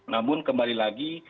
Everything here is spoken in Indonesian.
namun kembali lagi